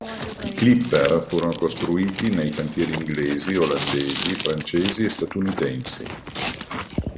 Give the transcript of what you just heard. I "Clipper" furono costruiti nei cantieri inglesi, olandesi, francesi e statunitensi.